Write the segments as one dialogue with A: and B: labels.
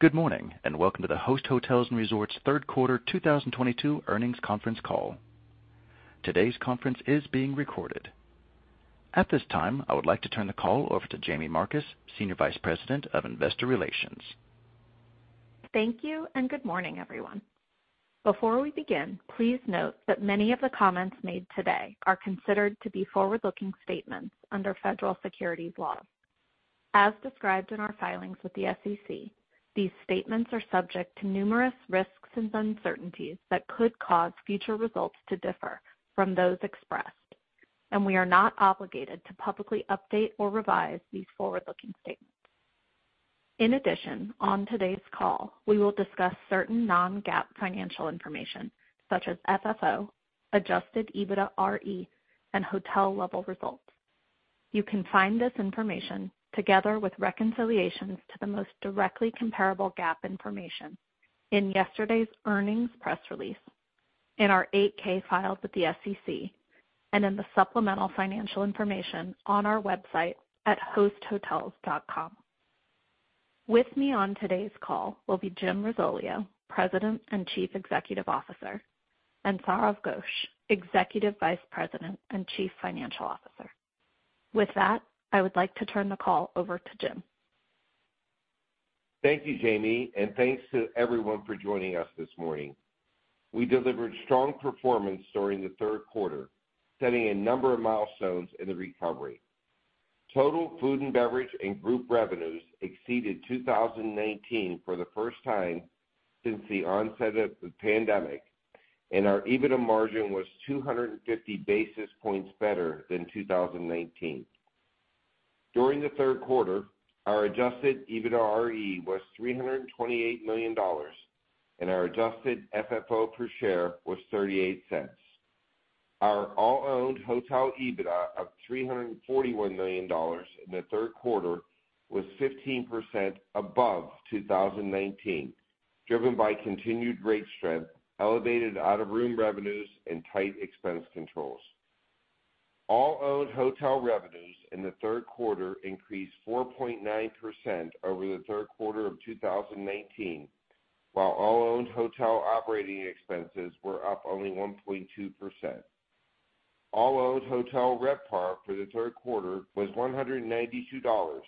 A: Good morning, and welcome to the Host Hotels & Resorts third quarter 2022 earnings conference call. Today's conference is being recorded. At this time, I would like to turn the call over to Jaime Marcus, Senior Vice President of Investor Relations.
B: Thank you and good morning, everyone. Before we begin, please note that many of the comments made today are considered to be forward-looking statements under federal securities laws. As described in our filings with the SEC, these statements are subject to numerous risks and uncertainties that could cause future results to differ from those expressed, and we are not obligated to publicly update or revise these forward-looking statements. In addition, on today's call, we will discuss certain non-GAAP financial information such as FFO, adjusted EBITDAre, and hotel-level results. You can find this information together with reconciliations to the most directly comparable GAAP information in yesterday's earnings press release, in our 8-K filed with the SEC, and in the supplemental financial information on our website at hosthotels.com. With me on today's call will be Jim Risoleo, President and Chief Executive Officer, and Sourav Ghosh, Executive Vice President and Chief Financial Officer. With that, I would like to turn the call over to Jim.
C: Thank you, Jamie, and thanks to everyone for joining us this morning. We delivered strong performance during the third quarter, setting a number of milestones in the recovery. Total food and beverage and group revenues exceeded 2019 for the first time since the onset of the pandemic, and our EBITDA margin was 250 basis points better than 2019. During the third quarter, our adjusted EBITDAre was $328 million, and our adjusted FFO per share was $0.38. Our all-owned hotel EBITDA of $341 million in the third quarter was 15% above 2019, driven by continued rate strength, elevated out of room revenues, and tight expense controls. All-owned hotel revenues in the third quarter increased 4.9% over the third quarter of 2019, while all-owned hotel operating expenses were up only 1.2%. All-owned hotel RevPAR for the third quarter was $192,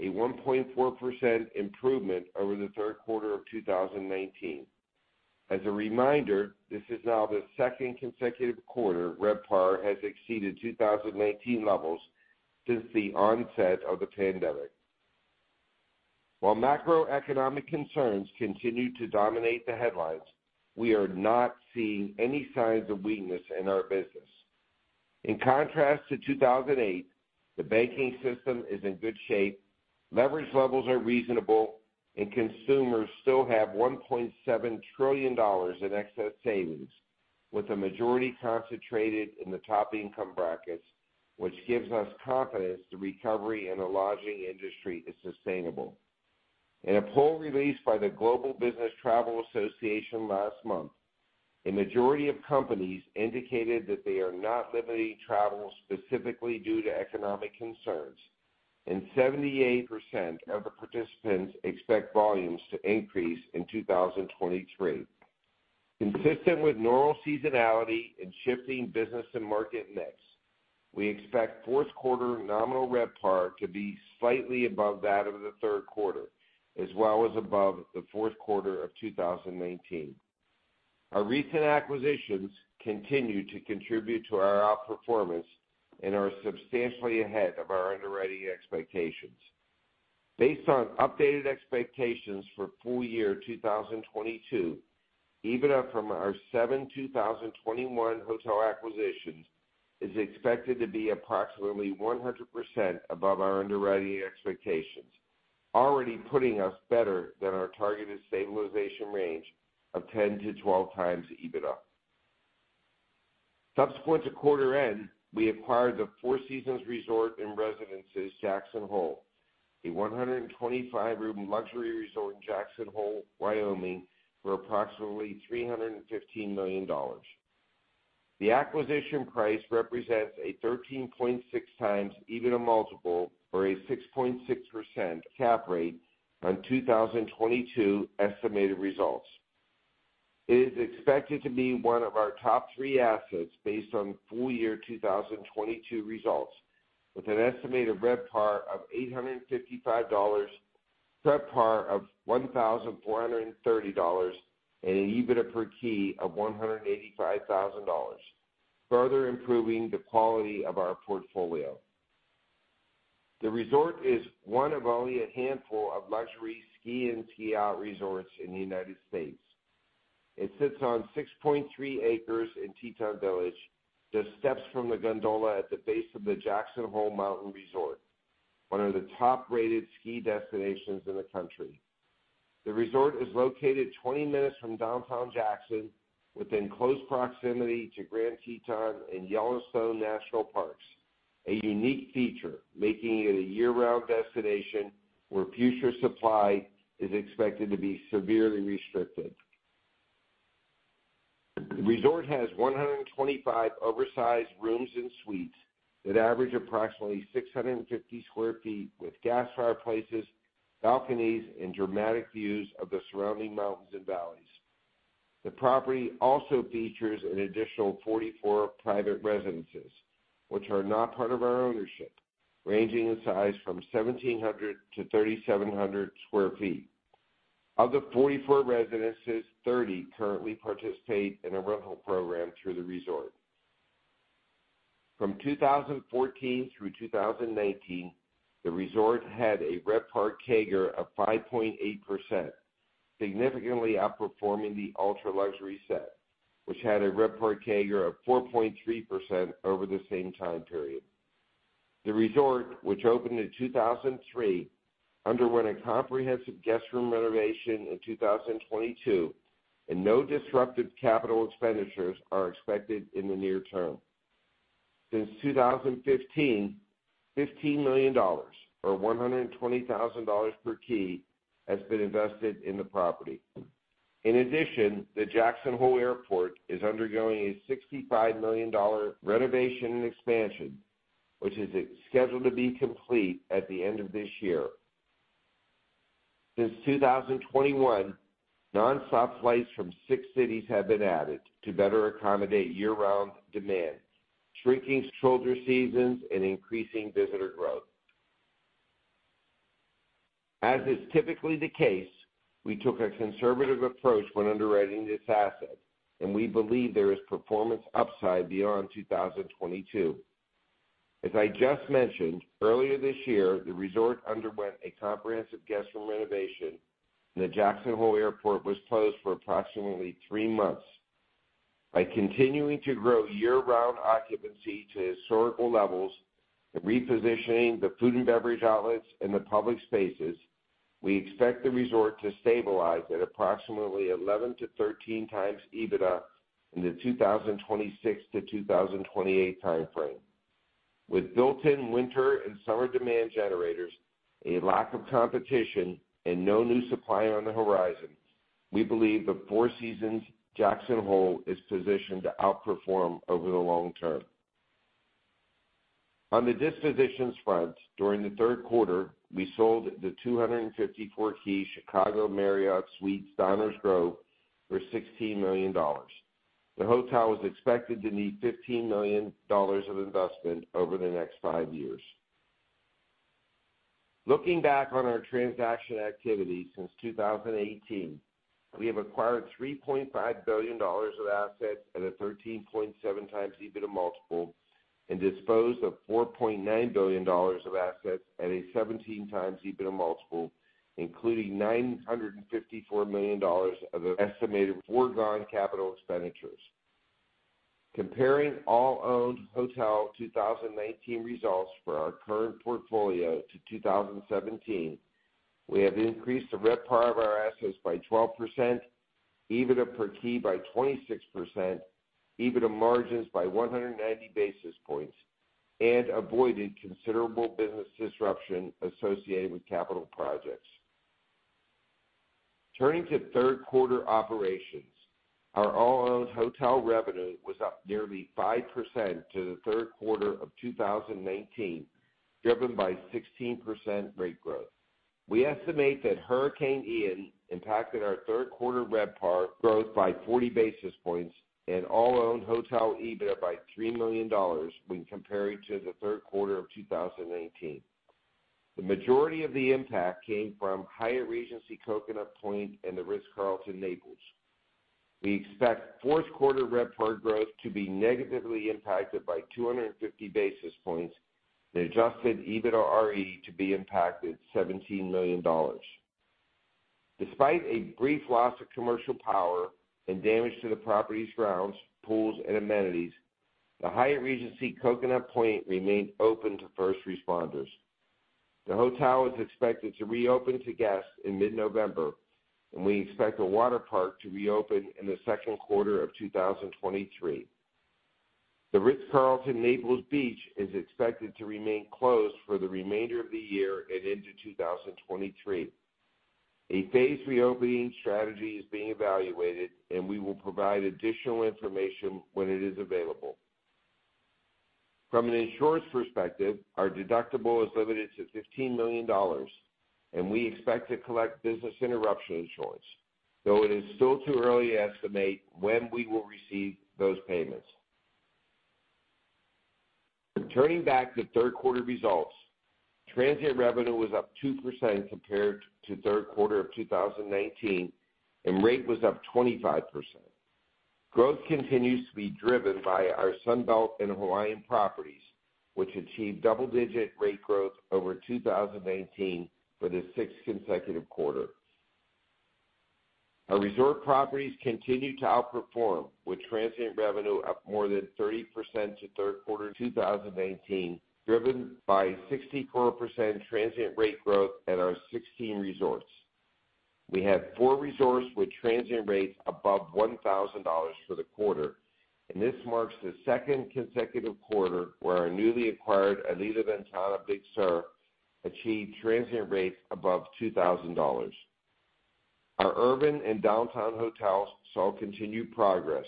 C: a 1.4% improvement over the third quarter of 2019. As a reminder, this is now the second consecutive quarter RevPAR has exceeded 2019 levels since the onset of the pandemic. While macroeconomic concerns continue to dominate the headlines, we are not seeing any signs of weakness in our business. In contrast to 2008, the banking system is in good shape, leverage levels are reasonable, and consumers still have $1.7 trillion in excess savings, with the majority concentrated in the top income brackets, which gives us confidence the recovery in the lodging industry is sustainable. In a poll released by the Global Business Travel Association last month, a majority of companies indicated that they are not limiting travel specifically due to economic concerns, and 78% of the participants expect volumes to increase in 2023. Consistent with normal seasonality and shifting business and market mix, we expect fourth quarter nominal RevPAR to be slightly above that of the third quarter, as well as above the fourth quarter of 2019. Our recent acquisitions continue to contribute to our outperformance and are substantially ahead of our underwriting expectations. Based on updated expectations for full year 2022, EBITDA from our seven 2021 hotel acquisitions is expected to be approximately 100% above our underwriting expectations, already putting us better than our targeted stabilization range of 10-12 times EBITDA. Subsequent to quarter end, we acquired the Four Seasons Resort and Residences Jackson Hole, a 125-room luxury resort in Jackson Hole, Wyoming, for approximately $315 million. The acquisition price represents a 13.6x EBITDA multiple or a 6.6% cap rate on 2022 estimated results. It is expected to be one of our top three assets based on full-year 2022 results, with an estimated RevPAR of $855, TRevPAR of $1,430, and an EBITDA per key of $185,000, further improving the quality of our portfolio. The resort is one of only a handful of luxury ski-in/ski-out resorts in the United States. It sits on 6.3 acres in Teton Village, just steps from the gondola at the base of the Jackson Hole Mountain Resort, one of the top-rated ski destinations in the country. The resort is located 20 minutes from downtown Jackson, within close proximity to Grand Teton and Yellowstone National Parks, a unique feature making it a year-round destination where future supply is expected to be severely restricted. The resort has 125 oversized rooms and suites that average approximately 650 sq ft, with gas fireplaces, balconies, and dramatic views of the surrounding mountains and valleys. The property also features an additional 44 private residences, which are not part of our ownership, ranging in size from 1,700 to 3,700 sq ft. Of the 44 residences, 30 currently participate in a rental program through the resort. From 2014 through 2019, the resort had a RevPAR CAGR of 5.8%, significantly outperforming the ultra-luxury set, which had a RevPAR CAGR of 4.3% over the same time period. The resort, which opened in 2003, underwent a comprehensive guest room renovation in 2022, and no disruptive capital expenditures are expected in the near term. Since 2015, $15 million, or $120,000 per key, has been invested in the property. In addition, the Jackson Hole Airport is undergoing a $65 million renovation and expansion, which is scheduled to be complete at the end of this year. Since 2021, non-stop flights from 6 cities have been added to better accommodate year-round demand, shrinking shoulder seasons, and increasing visitor growth. As is typically the case, we took a conservative approach when underwriting this asset, and we believe there is performance upside beyond 2022. As I just mentioned, earlier this year, the resort underwent a comprehensive guest room renovation, and the Jackson Hole Airport was closed for approximately three months. By continuing to grow year-round occupancy to historical levels and repositioning the food and beverage outlets in the public spaces, we expect the resort to stabilize at approximately 11-13x EBITDA in the 2026-2028 timeframe. With built-in winter and summer demand generators, a lack of competition, and no new supply on the horizon, we believe the Four Seasons Jackson Hole is positioned to outperform over the long term. On the dispositions front, during the third quarter, we sold the 254-key Chicago Marriott Suites Downers Grove for $16 million. The hotel was expected to need $15 million of investment over the next five years. Looking back on our transaction activity since 2018, we have acquired $3.5 billion of assets at a 13.7x EBITDA multiple and disposed of $4.9 billion of assets at a 17x EBITDA multiple, including $954 million of estimated foregone capital expenditures. Comparing all-owned hotel 2019 results for our current portfolio to 2017, we have increased the RevPAR of our assets by 12%, EBITDA per key by 26%, EBITDA margins by 190 basis points, and avoided considerable business disruption associated with capital projects. Turning to third quarter operations, our all-owned hotel revenue was up nearly 5% to the third quarter of 2019, driven by 16% rate growth. We estimate that Hurricane Ian impacted our third quarter RevPAR growth by 40 basis points and all owned hotel EBITDA by $3 million when comparing to the third quarter of 2019. The majority of the impact came from Hyatt Regency Coconut Point and The Ritz-Carlton, Naples. We expect fourth quarter RevPAR growth to be negatively impacted by 250 basis points, and adjusted EBITDAre to be impacted $17 million. Despite a brief loss of commercial power and damage to the property's grounds, pools, and amenities, the Hyatt Regency Coconut Point remained open to first responders. The hotel is expected to reopen to guests in mid-November, and we expect the water park to reopen in the second quarter of 2023. The Ritz-Carlton, Naples is expected to remain closed for the remainder of the year and into 2023. A phased reopening strategy is being evaluated, and we will provide additional information when it is available. From an insurance perspective, our deductible is limited to $15 million, and we expect to collect business interruption insurance, though it is still too early to estimate when we will receive those payments. Returning back to third quarter results, transient revenue was up 2% compared to third quarter of 2019, and rate was up 25%. Growth continues to be driven by our Sun Belt and Hawaiian properties, which achieved double-digit rate growth over 2019 for the sixth consecutive quarter. Our resort properties continued to outperform, with transient revenue up more than 30% to third quarter 2019, driven by 64% transient rate growth at our 16 resorts. We have four resorts with transient rates above $1,000 for the quarter, and this marks the second consecutive quarter where our newly acquired Alila Ventana Big Sur achieved transient rates above $2,000. Our urban and downtown hotels saw continued progress,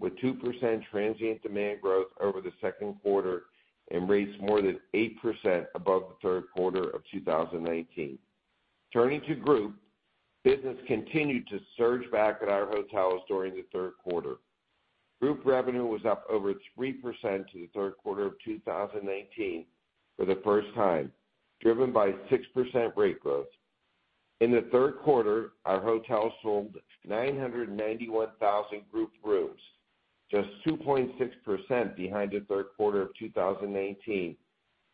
C: with 2% transient demand growth over the second quarter and rates more than 8% above the third quarter of 2019. Turning to group, business continued to surge back at our hotels during the third quarter. Group revenue was up over 3% to the third quarter of 2019 for the first time, driven by 6% rate growth. In the third quarter, our hotels sold 991,000 group rooms, just 2.6% behind the third quarter of 2018,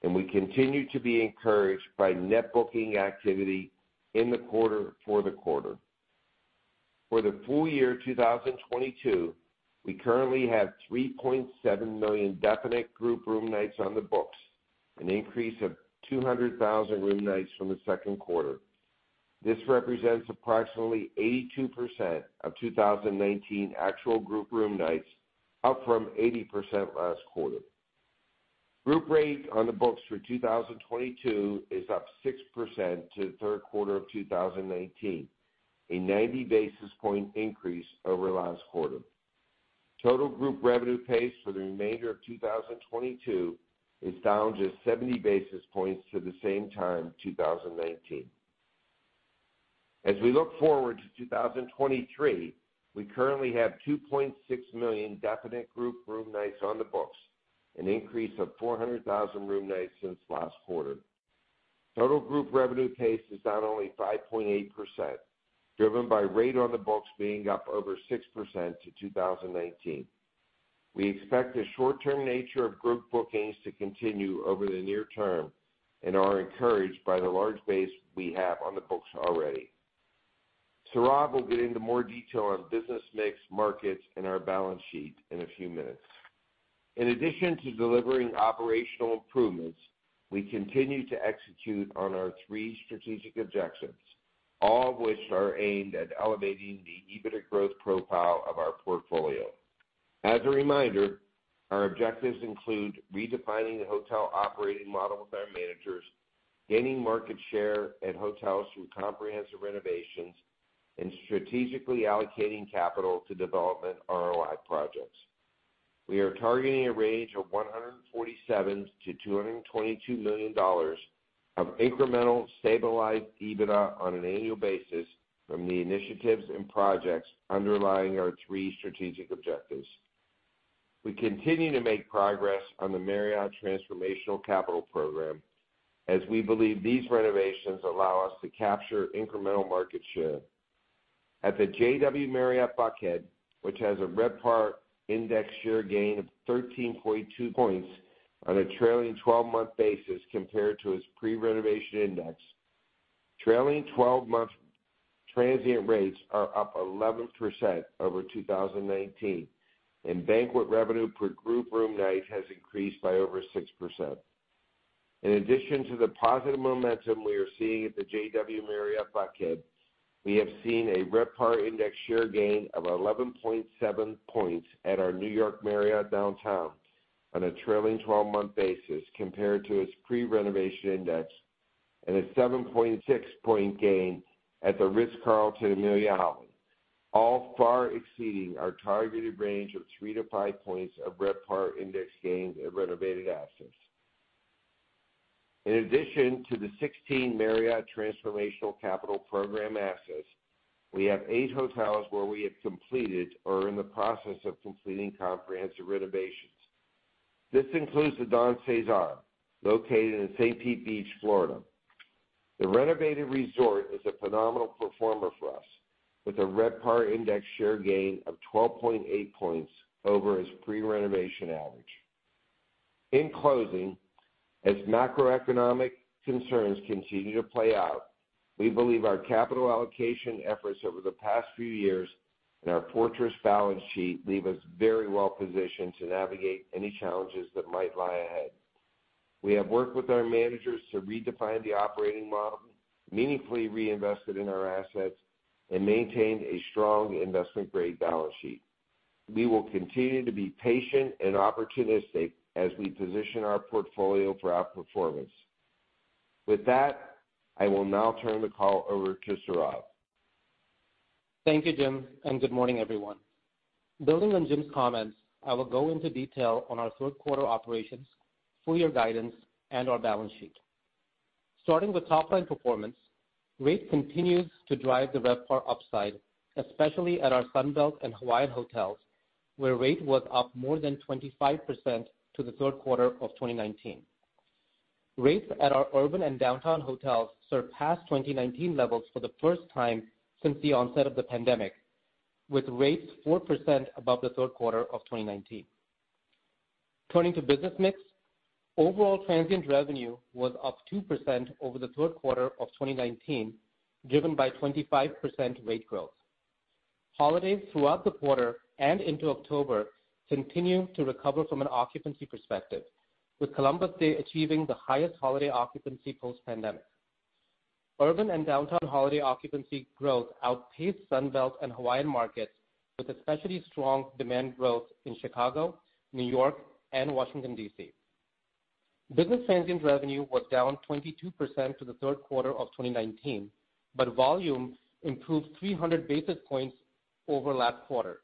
C: and we continue to be encouraged by net booking activity in the quarter for the quarter. For the full year 2022, we currently have 3.7 million definite group room nights on the books, an increase of 200,000 room nights from the second quarter. This represents approximately 82% of 2019 actual group room nights, up from 80% last quarter. Group rate on the books for 2022 is up 6% to the third quarter of 2019, a 90 basis point increase over last quarter. Total group revenue pace for the remainder of 2022 is down just 70 basis points to the same time, 2019. As we look forward to 2023, we currently have 2.6 million definite group room nights on the books, an increase of 400,000 room nights since last quarter. Total group revenue pace is not only 5.8%, driven by rate on the books being up over 6% to 2019. We expect the short-term nature of group bookings to continue over the near term and are encouraged by the large base we have on the books already. Sourav will get into more detail on business mix, markets, and our balance sheet in a few minutes. In addition to delivering operational improvements, we continue to execute on our three strategic objectives, all of which are aimed at elevating the EBIT growth profile of our portfolio. As a reminder, our objectives include redefining the hotel operating model with our managers, gaining market share and hotels through comprehensive renovations, and strategically allocating capital to development ROI projects. We are targeting a range of $147 million-$222 million of incremental stabilized EBITDA on an annual basis from the initiatives and projects underlying our three strategic objectives. We continue to make progress on the Marriott Transformational Capital Program, as we believe these renovations allow us to capture incremental market share. At the JW Marriott Buckhead, which has a RevPAR index share gain of 13.2 points on a trailing twelve-month basis compared to its pre-renovation index, trailing twelve-month transient rates are up 11% over 2019, and banquet revenue per group room night has increased by over 6%. In addition to the positive momentum we are seeing at the JW Marriott Buckhead, we have seen a RevPAR index share gain of 11.7 points at our New York Marriott Downtown on a trailing twelve-month basis compared to its pre-renovation index, and a 7.6 point gain at The Ritz-Carlton, Amelia Island, all far exceeding our targeted range of 3-5 points of RevPAR index gains at renovated assets. In addition to the 16 Marriott Transformational Capital Program assets, we have eight hotels where we have completed or are in the process of completing comprehensive renovations. This includes The Don CeSar, located in St. Pete Beach, Florida. The renovated resort is a phenomenal performer for us, with a RevPAR index share gain of 12.8 points over its pre-renovation average. In closing, as macroeconomic concerns continue to play out, we believe our capital allocation efforts over the past few years and our fortress balance sheet leave us very well positioned to navigate any challenges that might lie ahead. We have worked with our managers to redefine the operating model, meaningfully reinvested in our assets, and maintained a strong investment-grade balance sheet. We will continue to be patient and opportunistic as we position our portfolio for outperformance. With that, I will now turn the call over to Sourav.
D: Thank you, Jim, and good morning, everyone. Building on Jim's comments, I will go into detail on our third quarter operations, full year guidance, and our balance sheet. Starting with top line performance, rate continues to drive the RevPAR upside, especially at our Sunbelt and Hawaii hotels, where rate was up more than 25% to the third quarter of 2019. Rates at our urban and downtown hotels surpassed 2019 levels for the first time since the onset of the pandemic, with rates 4% above the third quarter of 2019. Turning to business mix, overall transient revenue was up 2% over the third quarter of 2019, driven by 25% rate growth. Holidays throughout the quarter and into October continue to recover from an occupancy perspective, with Columbus Day achieving the highest holiday occupancy post-pandemic. Urban and downtown holiday occupancy growth outpaced Sunbelt and Hawaiian markets with especially strong demand growth in Chicago, New York, and Washington, D.C. Business transient revenue was down 22% to the third quarter of 2019, but volume improved 300 basis points over last quarter,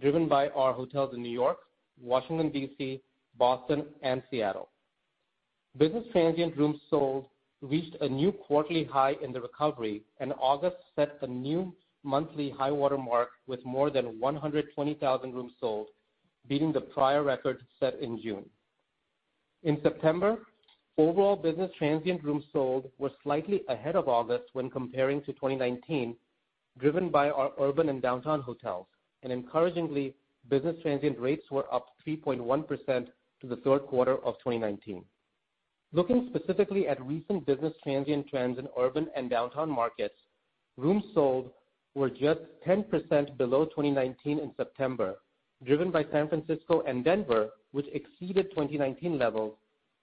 D: driven by our hotels in New York, Washington, D.C., Boston, and Seattle. Business transient rooms sold reached a new quarterly high in the recovery, and August set a new monthly high-water mark with more than 120,000 rooms sold, beating the prior record set in June. In September, overall business transient rooms sold were slightly ahead of August when comparing to 2019, driven by our urban and downtown hotels. Encouragingly, business transient rates were up 3.1% to the third quarter of 2019. Looking specifically at recent business transient trends in urban and downtown markets, rooms sold were just 10% below 2019 in September, driven by San Francisco and Denver, which exceeded 2019 levels,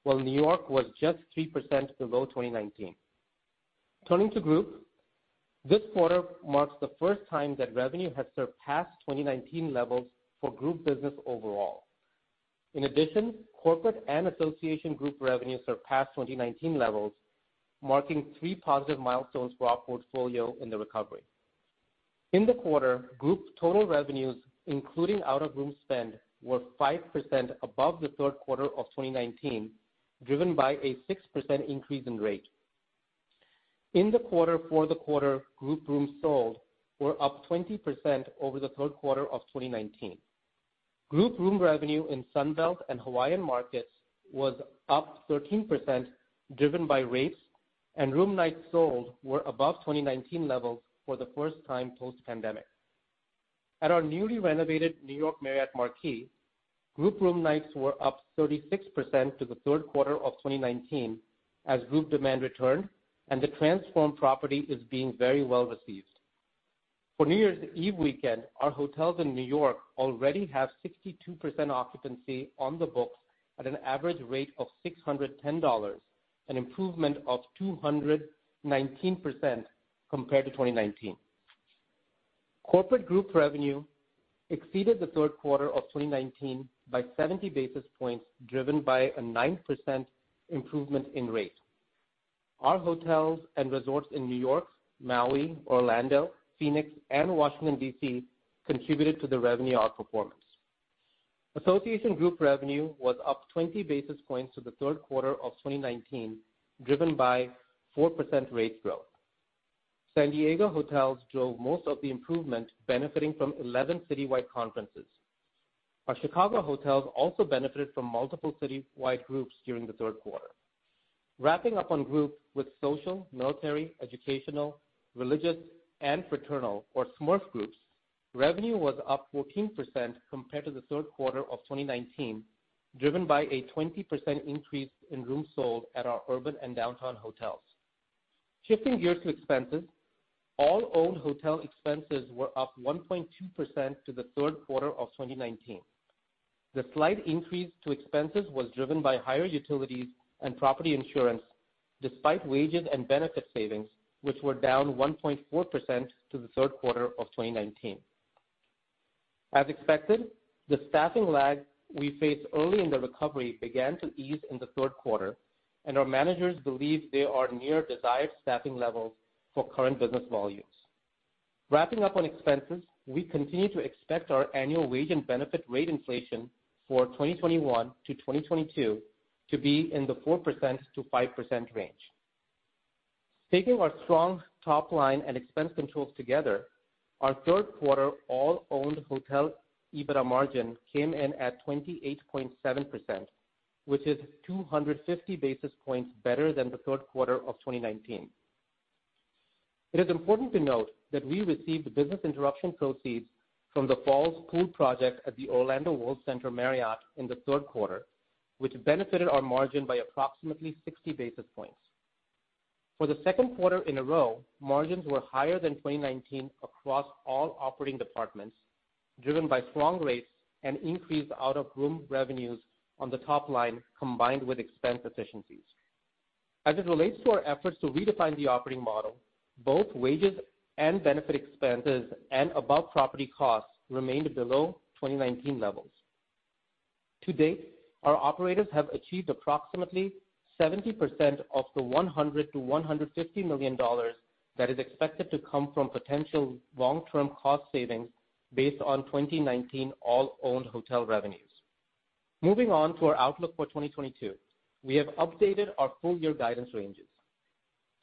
D: while New York was just 3% below 2019. Turning to group, this quarter marks the first time that revenue has surpassed 2019 levels for group business overall. In addition, corporate and association group revenue surpassed 2019 levels, marking three positive milestones for our portfolio in the recovery. In the quarter, group total revenues, including out-of-room spend, were 5% above the third quarter of 2019, driven by a 6% increase in rate. For the quarter, group rooms sold were up 20% over the third quarter of 2019. Group room revenue in Sunbelt and Hawaiian markets was up 13% driven by rates, and room nights sold were above 2019 levels for the first time post-pandemic. At our newly renovated New York Marriott Marquis, group room nights were up 36% to the third quarter of 2019 as group demand returned and the transformed property is being very well received. For New Year's Eve weekend, our hotels in New York already have 62% occupancy on the books at an average rate of $610, an improvement of 219% compared to 2019. Corporate group revenue exceeded the third quarter of 2019 by 70 basis points, driven by a 9% improvement in rate. Our hotels and resorts in New York, Maui, Orlando, Phoenix, and Washington, D.C., contributed to the revenue outperformance. Association group revenue was up 20 basis points to the third quarter of 2019, driven by 4% rate growth. San Diego hotels drove most of the improvement, benefiting from 11 citywide conferences. Our Chicago hotels also benefited from multiple citywide groups during the third quarter. Wrapping up on group with social, military, educational, religious, and fraternal or SMERF groups, revenue was up 14% compared to the third quarter of 2019, driven by a 20% increase in rooms sold at our urban and downtown hotels. Shifting gears to expenses, all owned hotel expenses were up 1.2% to the third quarter of 2019. The slight increase to expenses was driven by higher utilities and property insurance despite wages and benefit savings, which were down 1.4% to the third quarter of 2019. As expected, the staffing lag we faced early in the recovery began to ease in the third quarter, and our managers believe they are near desired staffing levels for current business volumes. Wrapping up on expenses, we continue to expect our annual wage and benefit rate inflation for 2021 to 2022 to be in the 4%-5% range. Taking our strong top line and expense controls together, our third quarter all-owned hotel EBITDA margin came in at 28.7%, which is 250 basis points better than the third quarter of 2019. It is important to note that we received business interruption proceeds from the falls pool project at the Orlando World Center Marriott in the third quarter, which benefited our margin by approximately 60 basis points. For the second quarter in a row, margins were higher than 2019 across all operating departments, driven by strong rates and increased out-of-room revenues on the top line, combined with expense efficiencies. As it relates to our efforts to redefine the operating model, both wages and benefit expenses and above property costs remained below 2019 levels. To date, our operators have achieved approximately 70% of the $100 million-$150 million that is expected to come from potential long-term cost savings based on 2019 all-owned hotel revenues. Moving on to our outlook for 2022. We have updated our full year guidance ranges.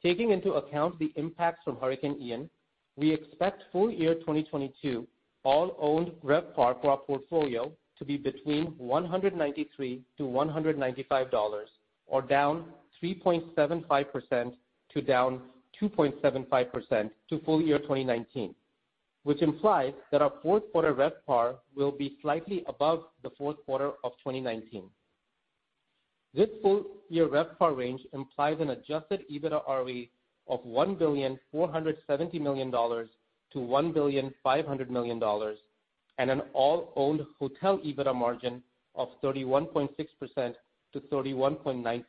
D: Taking into account the impacts from Hurricane Ian, we expect full year 2022 all owned RevPAR for our portfolio to be between $193-$195 or down 3.75% to down 2.75% to full year 2019, which implies that our fourth quarter RevPAR will be slightly above the fourth quarter of 2019. This full year RevPAR range implies an adjusted EBITDAre of $1.47 billion-$1.5 billion and an all owned hotel EBITDA margin of 31.6%-31.9%.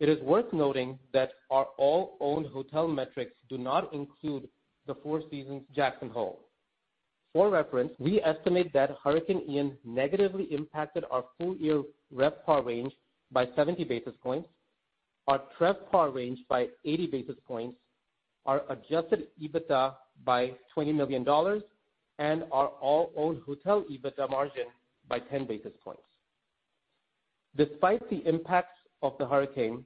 D: It is worth noting that our all owned hotel metrics do not include the Four Seasons Jackson Hole. For reference, we estimate that Hurricane Ian negatively impacted our full year RevPAR range by 70 basis points, our TRevPAR range by 80 basis points, our adjusted EBITDA by $20 million and our all owned hotel EBITDA margin by 10 basis points. Despite the impacts of the hurricane,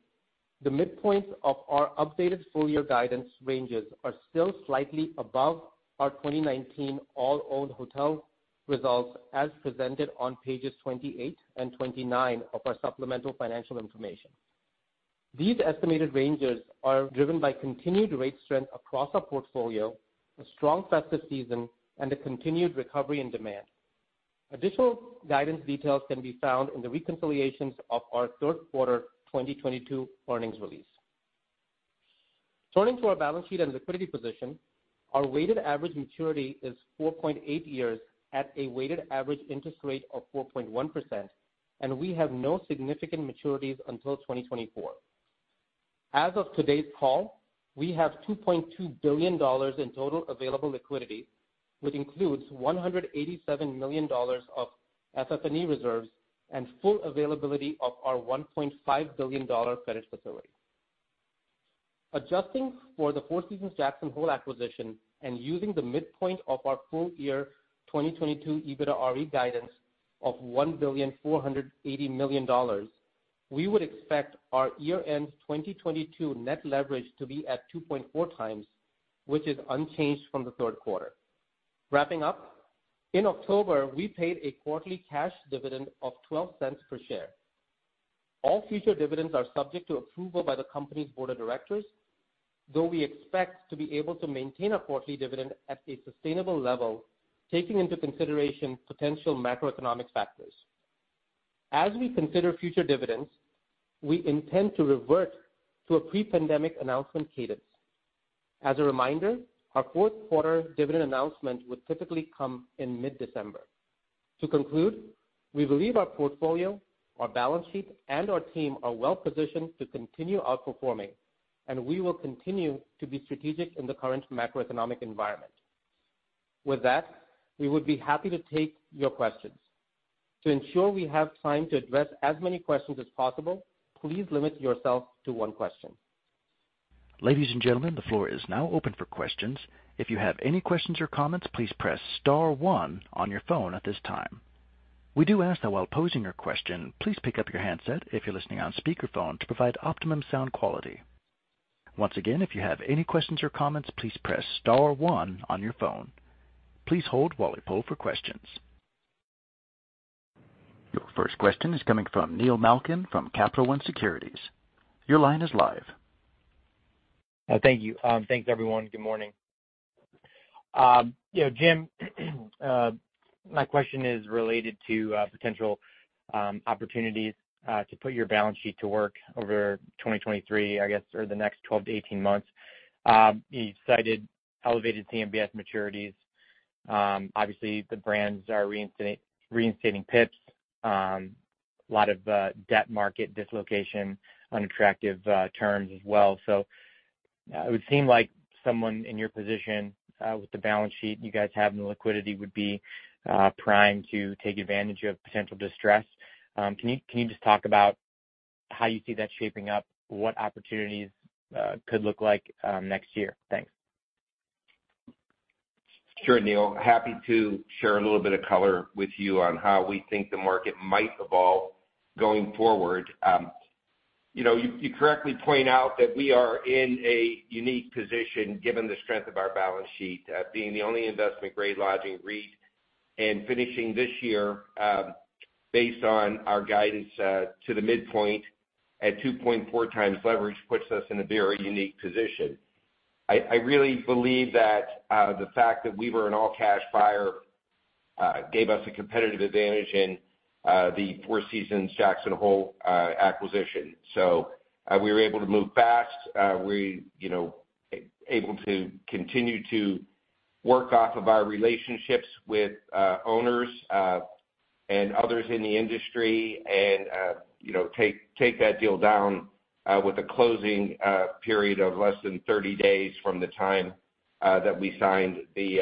D: the midpoints of our updated full year guidance ranges are still slightly above our 2019 all owned hotel results as presented on pages 28 and 29 of our supplemental financial information. These estimated ranges are driven by continued rate strength across our portfolio, a strong festive season, and a continued recovery in demand. Additional guidance details can be found in the reconciliations of our third quarter 2022 earnings release. Turning to our balance sheet and liquidity position, our weighted average maturity is 4.8 years at a weighted average interest rate of 4.1%, and we have no significant maturities until 2024. As of today's call, we have $2.2 billion in total available liquidity, which includes $187 million of FF&E reserves and full availability of our $1.5 billion credit facility. Adjusting for the Four Seasons Jackson Hole acquisition and using the midpoint of our full-year 2022 EBITDAre guidance of $1.48 billion, we would expect our year-end 2022 net leverage to be at 2.4x, which is unchanged from the third quarter. Wrapping up, in October, we paid a quarterly cash dividend of $0.12 per share. All future dividends are subject to approval by the company's board of directors, though we expect to be able to maintain a quarterly dividend at a sustainable level, taking into consideration potential macroeconomic factors. As we consider future dividends, we intend to revert to a pre-pandemic announcement cadence. As a reminder, our fourth quarter dividend announcement would typically come in mid-December. To conclude, we believe our portfolio, our balance sheet, and our team are well positioned to continue outperforming, and we will continue to be strategic in the current macroeconomic environment. With that, we would be happy to take your questions. To ensure we have time to address as many questions as possible, please limit yourself to one question.
A: Ladies and gentlemen, the floor is now open for questions. If you have any questions or comments, please press star one on your phone at this time. We do ask that while posing your question, please pick up your handset if you're listening on speakerphone to provide optimum sound quality. Once again, if you have any questions or comments, please press star one on your phone. Please hold while we poll for questions. Your first question is coming from Neil Malkin from Capital One Securities. Your line is live.
E: Thank you. Thanks, everyone. Good morning. You know, Jim, my question is related to potential opportunities to put your balance sheet to work over 2023, I guess, or the next 12 to 18 months. You cited elevated CMBS maturities. Obviously, the brands are reinstating PIPs, a lot of debt market dislocation, unattractive terms as well. It would seem like someone in your position, with the balance sheet you guys have and the liquidity would be primed to take advantage of potential distress. Can you just talk about how you see that shaping up, what opportunities could look like next year? Thanks.
C: Sure, Neil. Happy to share a little bit of color with you on how we think the market might evolve going forward. You know, you correctly point out that we are in a unique position given the strength of our balance sheet, being the only investment grade lodging REIT and finishing this year, based on our guidance, to the midpoint at 2.4x leverage puts us in a very unique position. I really believe that, the fact that we were an all-cash buyer, gave us a competitive advantage in, the Four Seasons Resort Jackson Hole, acquisition. We were able to move fast. We, you know, able to continue to work off of our relationships with owners and others in the industry and, you know, take that deal down with a closing period of less than 30 days from the time that we signed the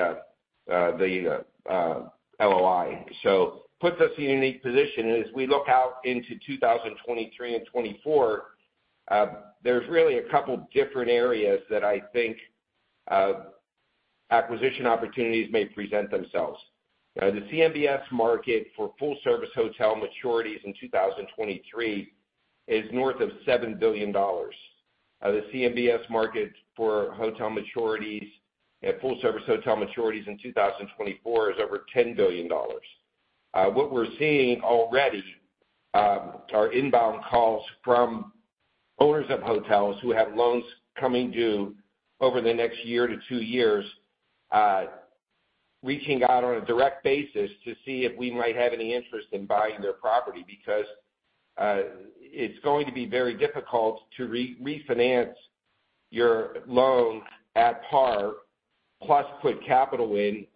C: LOI. Puts us in a unique position as we look out into 2023 and 2024. There's really a couple different areas that I think acquisition opportunities may present themselves. The CMBS market for full service hotel maturities in 2023 is north of $7 billion. The CMBS market for hotel maturities and full service hotel maturities in 2024 is over $10 billion. What we're seeing already are inbound calls from owners of hotels who have loans coming due over the next year to two years, reaching out on a direct basis to see if we might have any interest in buying their property because it's going to be very difficult to refinance. Your loans at par, plus put capital in,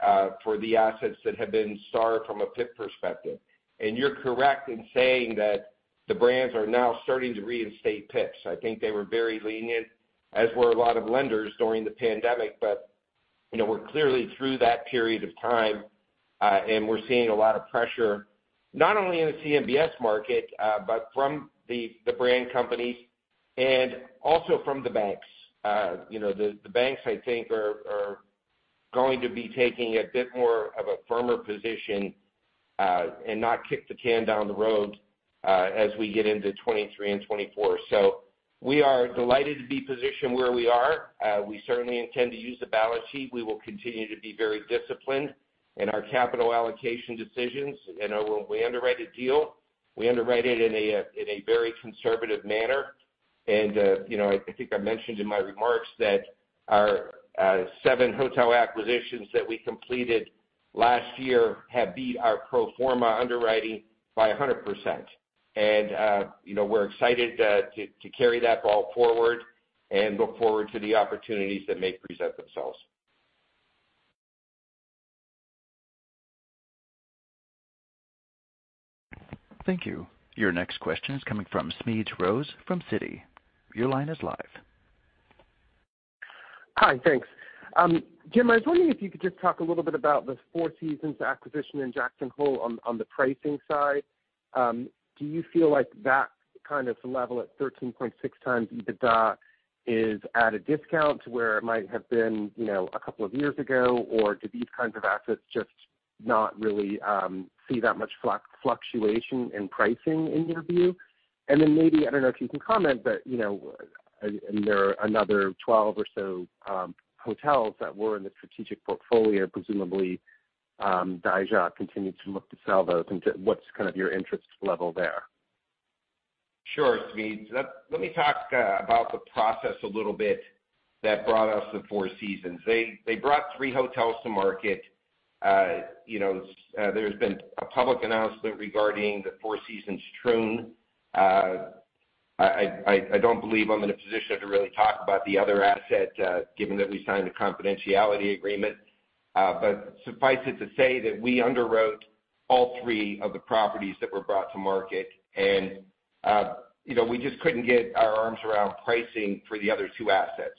C: for the assets that have been starred from a PIP perspective. You're correct in saying that the brands are now starting to reinstate PIPs. I think they were very lenient, as were a lot of lenders during the pandemic. You know, we're clearly through that period of time, and we're seeing a lot of pressure not only in the CMBS market, but from the brand companies and also from the banks. The banks I think are going to be taking a bit more of a firmer position, and not kick the can down the road, as we get into 2023 and 2024. We are delighted to be positioned where we are. We certainly intend to use the balance sheet. We will continue to be very disciplined in our capital allocation decisions. You know, when we underwrite a deal, we underwrite it in a very conservative manner. You know, I think I mentioned in my remarks that our seven hotel acquisitions that we completed last year have beat our pro forma underwriting by 100%. You know, we're excited to carry that ball forward and look forward to the opportunities that may present themselves.
A: Thank you. Your next question is coming from Smedes Rose from Citi. Your line is live.
F: Hi, thanks. Jim, I was wondering if you could just talk a little bit about the Four Seasons acquisition in Jackson Hole on the pricing side. Do you feel like that kind of level at 13.6x EBITDA is at a discount to where it might have been, you know, a couple of years ago? Or do these kinds of assets just not really see that much fluctuation in pricing, in your view? Then maybe, I don't know if you can comment, but, you know, there are another 12 or so hotels that were in the strategic portfolio, presumably, Dajia continued to look to sell those. What's kind of your interest level there?
C: Sure, Smedes. Let me talk about the process a little bit that brought us to Four Seasons. They brought three hotels to market. There's been a public announcement regarding the Four Seasons Troon. I don't believe I'm in a position to really talk about the other asset, given that we signed a confidentiality agreement. Suffice it to say that we underwrote all three of the properties that were brought to market. We just couldn't get our arms around pricing for the other two assets.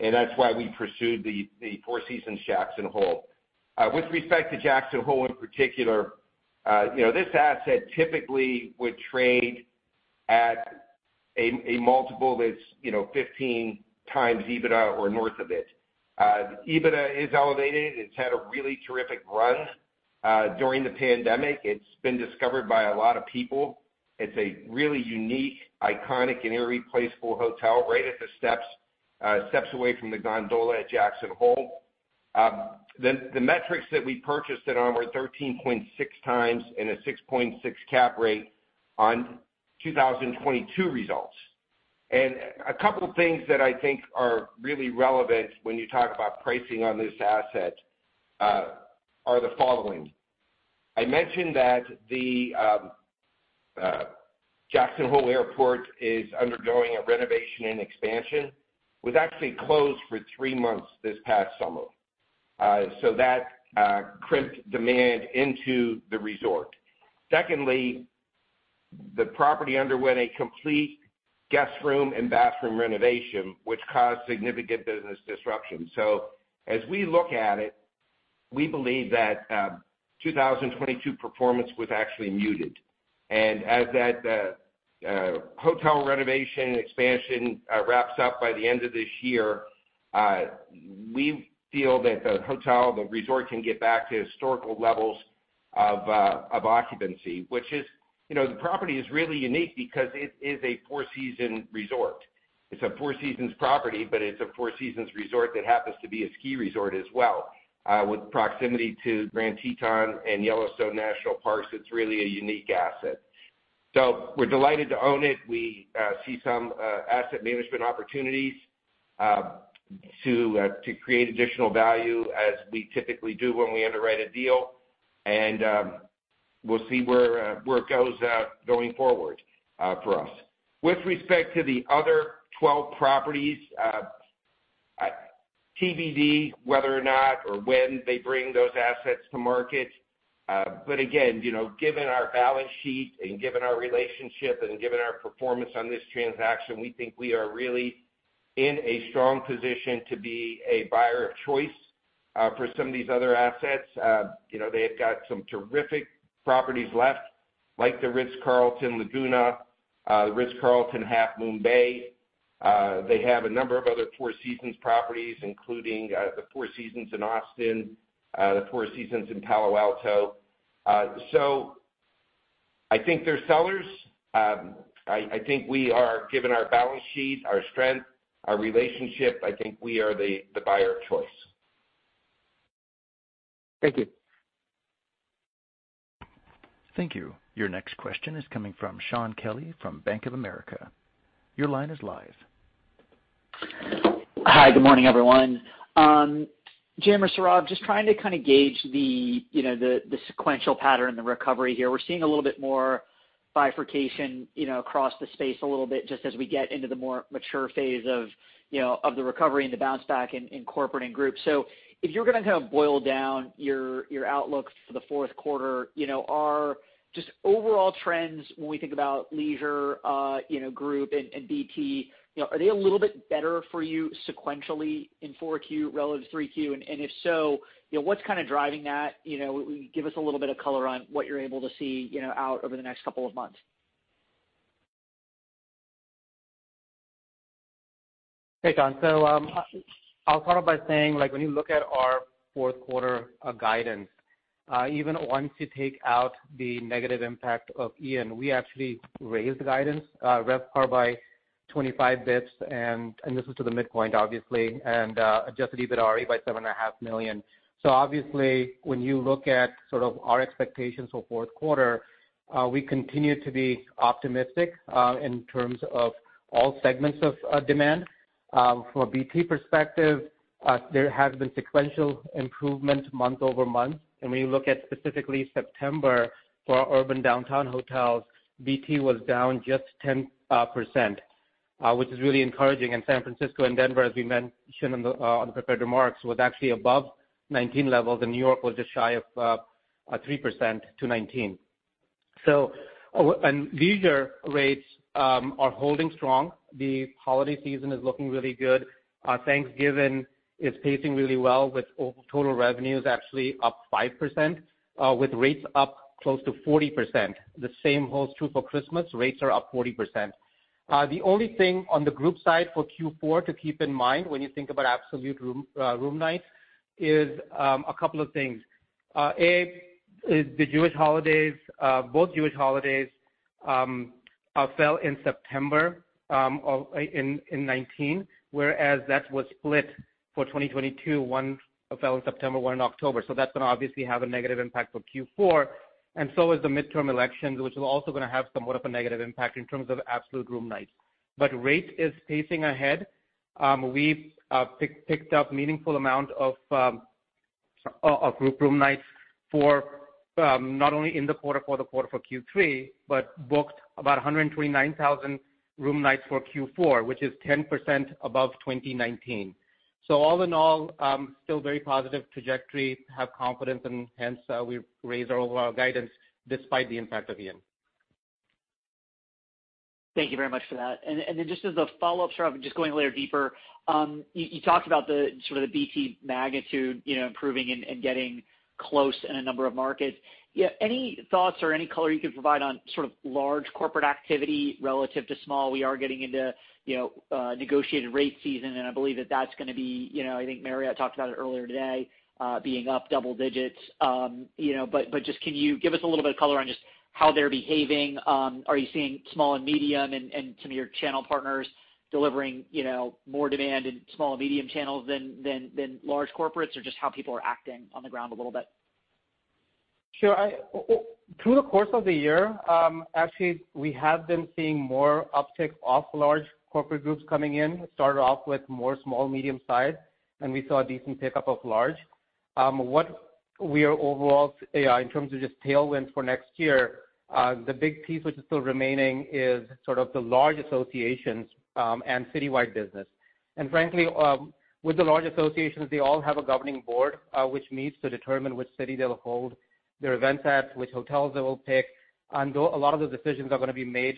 C: That's why we pursued the Four Seasons Jackson Hole. With respect to Jackson Hole in particular, this asset typically would trade at a multiple that's 15x EBITDA or north of it. EBITDA is elevated. It's had a really terrific run during the pandemic. It's been discovered by a lot of people. It's a really unique, iconic, and irreplaceable hotel right at the steps away from the gondola at Jackson Hole. The metrics that we purchased it on were 13.6x and a 6.6 cap rate on 2022 results. A couple of things that I think are really relevant when you talk about pricing on this asset are the following. I mentioned that the Jackson Hole Airport is undergoing a renovation and expansion. It was actually closed for three months this past summer. That crimped demand into the resort. Secondly, the property underwent a complete guest room and bathroom renovation, which caused significant business disruption. As we look at it, we believe that 2022 performance was actually muted. As that hotel renovation expansion wraps up by the end of this year, we feel that the hotel, the resort can get back to historical levels of occupancy, which is, you know, the property is really unique because it is a four-season resort. It's a Four Seasons property, but it's a Four Seasons resort that happens to be a ski resort as well. With proximity to Grand Teton and Yellowstone National Parks, it's really a unique asset. We're delighted to own it. We see some asset management opportunities to create additional value as we typically do when we underwrite a deal. We'll see where it goes going forward for us. With respect to the other 12 properties, TBD whether or not or when they bring those assets to market. Again, you know, given our balance sheet and given our relationship and given our performance on this transaction, we think we are really in a strong position to be a buyer of choice for some of these other assets. You know, they've got some terrific properties left, like the Ritz-Carlton Laguna Niguel, the Ritz-Carlton Half Moon Bay. They have a number of other Four Seasons properties, including the Four Seasons Hotel Austin, the Four Seasons Hotel Silicon Valley at East Palo Alto. I think they're sellers. I think we are given our balance sheet, our strength, our relationship. I think we are the buyer of choice.
F: Thank you.
A: Thank you. Your next question is coming from Shaun Kelley from Bank of America. Your line is live.
G: Hi. Good morning, everyone. Jim or Sourav, just trying to kind of gauge the sequential pattern, the recovery here. We're seeing a little bit more bifurcation, you know, across the space a little bit just as we get into the more mature phase of, you know, of the recovery and the bounce back in corporate and group. If you're gonna kind of boil down your outlook for the fourth quarter, you know, are just overall trends when we think about leisure, you know, group and BT, you know, are they a little bit better for you sequentially in four Q relative to three Q? If so, you know, what's kind of driving that? You know, will you give us a little bit of color on what you're able to see, you know, out over the next couple of months?
D: Hey, Shaun. I'll follow by saying like, when you look at our fourth quarter guidance, even once you take out the negative impact of Ian, we actually raised the guidance RevPAR by 25 basis points, and this is to the midpoint obviously, and adjusted EBITDAre by $7.5 million. Obviously, when you look at sort of our expectations for fourth quarter, we continue to be optimistic in terms of all segments of demand. From a BT perspective, there has been sequential improvement month-over-month. When you look at specifically September for our urban downtown hotels, BT was down just 10%, which is really encouraging. San Francisco and Denver, as we mentioned in the prepared remarks, was actually above 19 levels, and New York was just shy of 3% to 19. And leisure rates are holding strong. The holiday season is looking really good. Thanksgiving is pacing really well with total revenues actually up 5%, with rates up close to 40%. The same holds true for Christmas, rates are up 40%. The only thing on the group side for Q4 to keep in mind when you think about absolute room nights is a couple of things. A is the Jewish holidays, both Jewish holidays fell in September in 2019, whereas that was split for 2022. One fell in September, one in October. That's gonna obviously have a negative impact for Q4. The midterm elections, which is also gonna have somewhat of a negative impact in terms of absolute room nights. Rate is pacing ahead. We've picked up meaningful amount of of group room nights for not only in the quarter for Q3, but booked about 129,000 room nights for Q4, which is 10% above 2019. All in all, still very positive trajectory, have confidence, and hence, we raised our overall guidance despite the impact of Ian.
G: Thank you very much for that. Then just as a follow-up, Sourav, just going a layer deeper, you talked about the sort of the BT magnitude, you know, improving and getting close in a number of markets. Yeah, any thoughts or any color you could provide on sort of large corporate activity relative to small? We are getting into, you know, negotiated rate season, and I believe that that's gonna be, you know, I think Marriott talked about it earlier today, being up double digits. You know, but just can you give us a little bit of color on just how they're behaving? Are you seeing small and medium and some of your channel partners delivering, you know, more demand in small and medium channels than large corporates, or just how people are acting on the ground a little bit?
D: Sure. Through the course of the year, actually, we have been seeing more uptick of large corporate groups coming in. It started off with more small, medium-sized, and we saw a decent pickup of large. What we are overall, in terms of just tailwind for next year, the big piece which is still remaining is sort of the large associations, and citywide business. Frankly, with the large associations, they all have a governing board, which meets to determine which city they'll hold their events at, which hotels they will pick, and a lot of the decisions are gonna be made,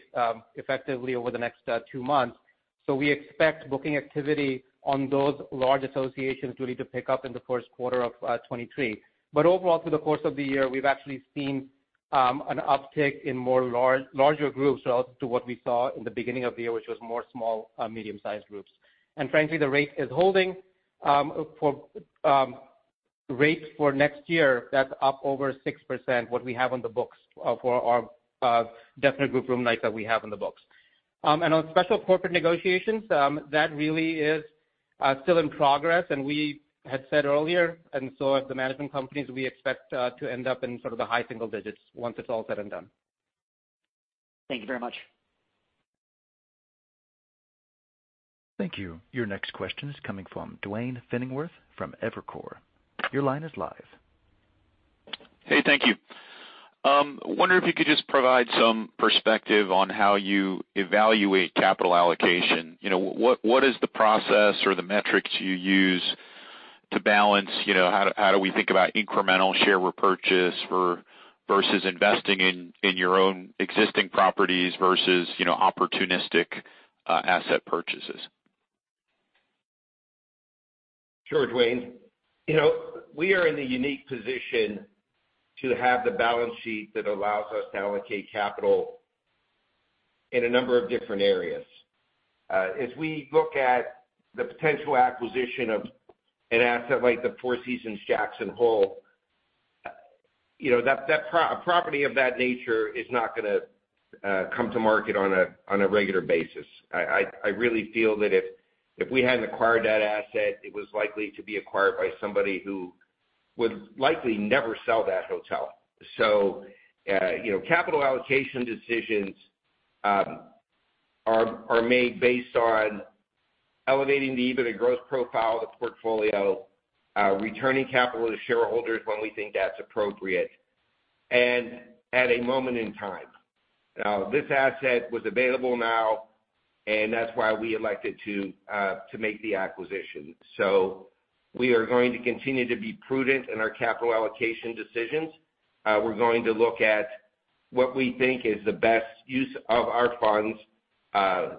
D: effectively over the next two months. We expect booking activity on those large associations really to pick up in the first quarter of 2023. Overall, through the course of the year, we've actually seen an uptick in more larger groups relative to what we saw in the beginning of the year, which was more small, medium-sized groups. Frankly, the rate is holding for rates for next year, that's up over 6% what we have on the books for our definite group room nights that we have on the books. On special corporate negotiations, that really is still in progress. We had said earlier, and so as the management companies, we expect to end up in sort of the high single digits once it's all said and done.
G: Thank you very much.
A: Thank you. Your next question is coming from Duane Pfennigwerth from Evercore. Your line is live.
H: Hey, thank you. Wondering if you could just provide some perspective on how you evaluate capital allocation. You know, what is the process or the metrics you use to balance, you know, how do we think about incremental share repurchase versus investing in your own existing properties versus, you know, opportunistic asset purchases?
C: Sure, Duane. You know, we are in the unique position to have the balance sheet that allows us to allocate capital in a number of different areas. As we look at the potential acquisition of an asset like the Four Seasons Jackson Hole, you know, a property of that nature is not gonna come to market on a regular basis. I really feel that if we hadn't acquired that asset, it was likely to be acquired by somebody who would likely never sell that hotel. Capital allocation decisions are made based on elevating the EBITDA growth profile of the portfolio, returning capital to shareholders when we think that's appropriate, and at a moment in time. Now, this asset was available now, and that's why we elected to make the acquisition. We are going to continue to be prudent in our capital allocation decisions. We're going to look at what we think is the best use of our funds. As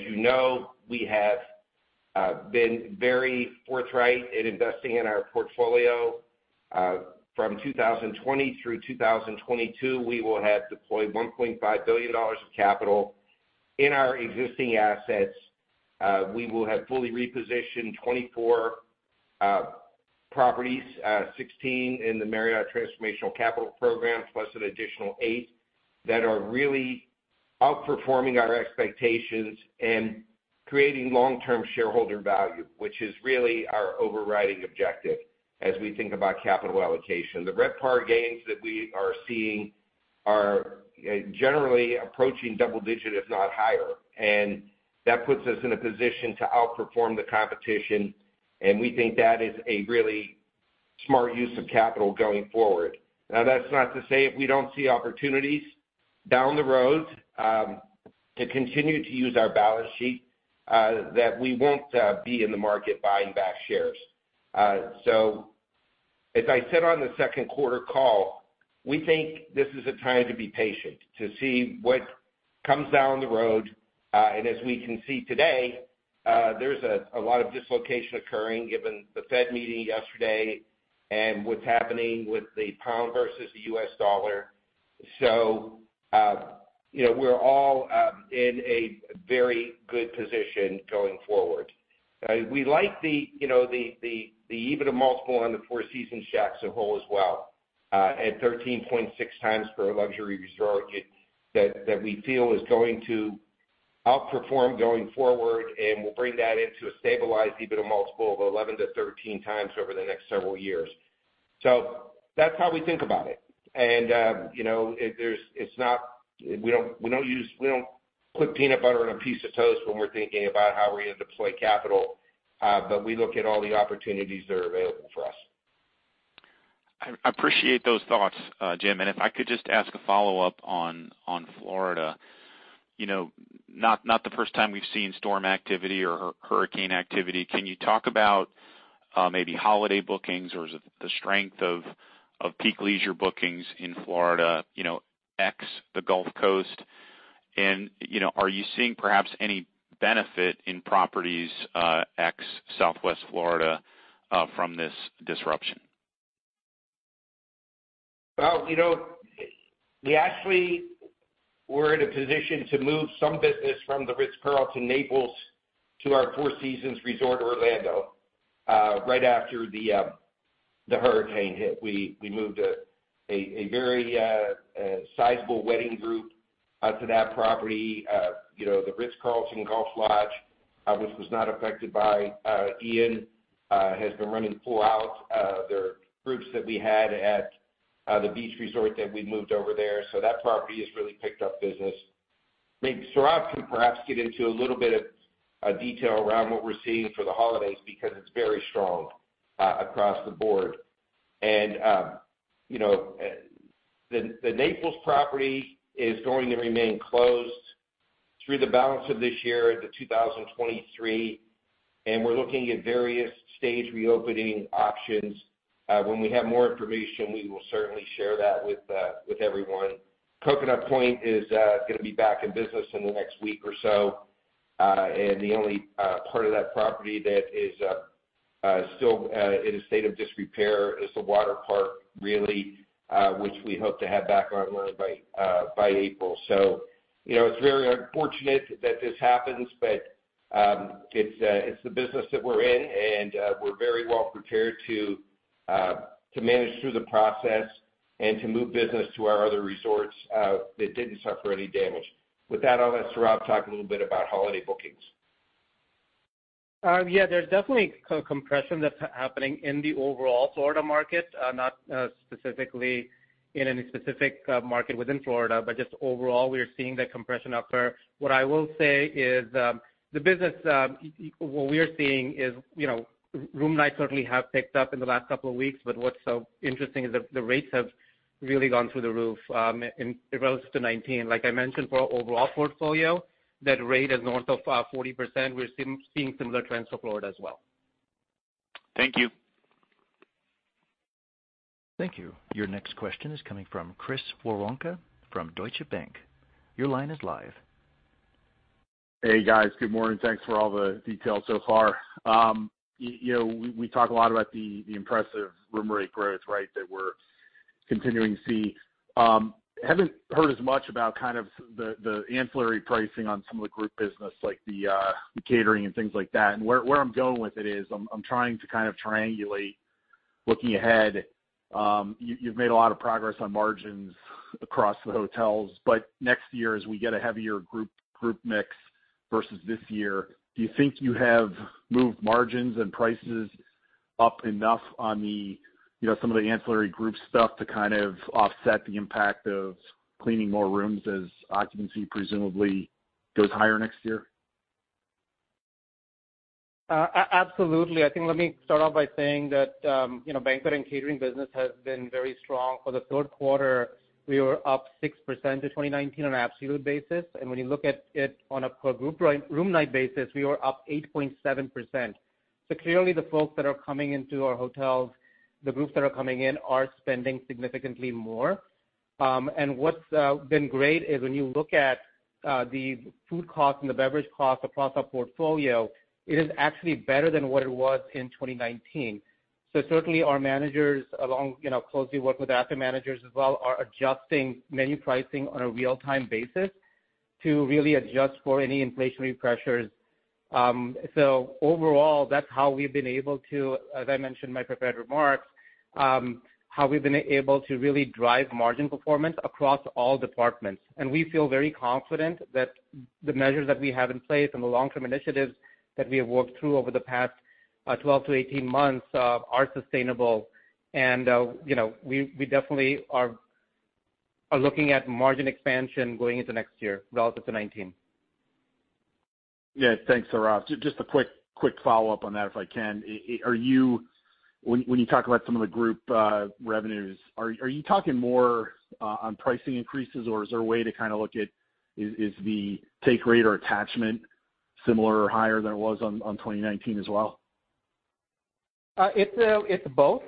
C: you know, we have been very forthright in investing in our portfolio. From 2020 through 2022, we will have deployed $1.5 billion of capital in our existing assets. We will have fully repositioned 24 properties, 16 in the Marriott Transformational Capital Program, plus an additional eight that are really outperforming our expectations and creating long-term shareholder value, which is really our overriding objective as we think about capital allocation. The RevPAR gains that we are seeing are generally approaching double digit, if not higher. That puts us in a position to outperform the competition, and we think that is a really smart use of capital going forward. Now, that's not to say if we don't see opportunities down the road to continue to use our balance sheet that we won't be in the market buying back shares. As I said on the second quarter call, we think this is a time to be patient, to see what comes down the road. As we can see today, there's a lot of dislocation occurring given the Fed meeting yesterday and what's happening with the pound versus the US dollar. You know, we're all in a very good position going forward. We like, you know, the EBITDA multiple on the Four Seasons Resort Jackson Hole as well, at 13.6x for a luxury resort that we feel is going to outperform going forward, and we'll bring that into a stabilized EBITDA multiple of 11-13x over the next several years. That's how we think about it. You know, it's not, we don't put peanut butter on a piece of toast when we're thinking about how we're gonna deploy capital, but we look at all the opportunities that are available for us.
H: I appreciate those thoughts, Jim. If I could just ask a follow-up on Florida. You know, not the first time we've seen storm activity or hurricane activity. Can you talk about maybe holiday bookings or the strength of peak leisure bookings in Florida, you know, ex the Gulf Coast? You know, are you seeing perhaps any benefit in properties ex Southwest Florida from this disruption?
C: Well, you know, we actually were in a position to move some business from the Ritz-Carlton, Naples to our Four Seasons Resort Orlando, right after the hurricane hit. We moved a very sizable wedding group to that property. You know, the Ritz-Carlton Naples, Tiburón, which was not affected by Ian, has been running full out. There are groups that we had at the Beach Resort that we moved over there. That property has really picked up business. Maybe Sourav can perhaps get into a little bit of detail around what we're seeing for the holidays because it's very strong across the board. You know, the Naples property is going to remain closed through the balance of this year into 2023, and we're looking at various stage reopening options. When we have more information, we will certainly share that with everyone. Coconut Point is gonna be back in business in the next week or so. The only part of that property that is still in a state of disrepair is the water park, really, which we hope to have back online by April. You know, it's very unfortunate that this happens, but it's the business that we're in, and we're very well prepared to manage through the process and to move business to our other resorts that didn't suffer any damage. With that, I'll let Sourav talk a little bit about holiday bookings.
D: Yeah. There's definitely compression that's happening in the overall Florida market, not specifically in any specific market within Florida, but just overall, we are seeing the compression occur. What I will say is, the business, what we are seeing is, you know, room nights certainly have picked up in the last couple of weeks, but what's so interesting is the rates have really gone through the roof, in relative to 2019. Like I mentioned, for our overall portfolio, that rate is north of 40%. We're seeing similar trends for Florida as well.
H: Thank you.
A: Thank you. Your next question is coming from Chris Woronka from Deutsche Bank. Your line is live.
I: Hey, guys. Good morning. Thanks for all the details so far. You know, we talk a lot about the impressive room rate growth, right, that we're continuing to see. Haven't heard as much about kind of the ancillary pricing on some of the group business, like the catering and things like that. Where I'm going with it is I'm trying to kind of triangulate looking ahead. You've made a lot of progress on margins across the hotels, but next year, as we get a heavier group mix versus this year, do you think you have moved margins and prices? Up enough on the, you know, some of the ancillary group stuff to kind of offset the impact of cleaning more rooms as occupancy presumably goes higher next year?
D: Absolutely. I think let me start off by saying that, you know, banquet and catering business has been very strong. For the third quarter, we were up 6% to 2019 on an absolute basis. When you look at it on a per group room night basis, we were up 8.7%. Clearly the folks that are coming into our hotels, the groups that are coming in are spending significantly more. What's been great is when you look at the food cost and the beverage cost across our portfolio, it is actually better than what it was in 2019. Certainly our managers along, you know, closely work with asset managers as well, are adjusting menu pricing on a real-time basis to really adjust for any inflationary pressures. Overall that's how we've been able to, as I mentioned in my prepared remarks, really drive margin performance across all departments. We feel very confident that the measures that we have in place and the long-term initiatives that we have worked through over the past 12-18 months are sustainable. You know, we definitely are looking at margin expansion going into next year relative to 2019.
I: Yeah. Thanks, Sourav. Just a quick follow-up on that if I can. When you talk about some of the group revenues, are you talking more on pricing increases, or is there a way to kind of look at is the take rate or attachment similar or higher than it was on 2019 as well?
D: It's both.